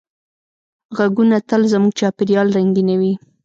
غږونه تل زموږ چاپېریال رنګینوي.